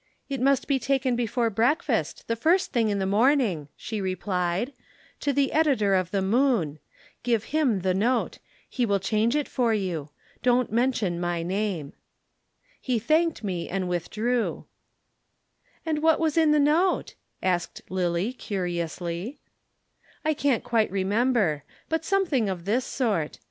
'It must be taken before breakfast, the first thing in the morning,' she replied, 'to the editor of the Moon. Give him the note; he will change it for you. Don't mention my name.' [Illustration: "There's a prescription against starvation."] "He thanked me and withdrew." "And what was in the note?" asked Lillie curiously. "I can't quite remember. But something of this sort.